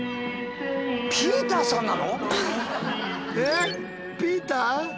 ピーターさんなの！？